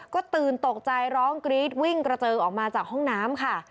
ก็ตื่นตกใจร้องกรี๊ดวิ่งกระเจิงออกมาจากห้องน้ำค่ะ